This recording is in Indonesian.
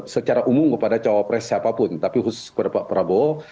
secara umum kepada cawapres siapapun tapi khusus kepada pak prabowo